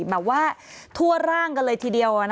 แบบว่าทั่วร่างกันเลยทีเดียว